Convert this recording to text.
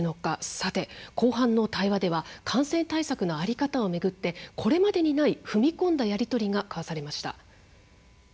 さて、後半の対話では感染対策の在り方をめぐってこれまでにない踏み込んだやり取りが交わされました。